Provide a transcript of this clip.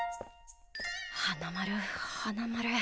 花丸花丸。